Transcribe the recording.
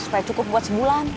supaya cukup buat sebulan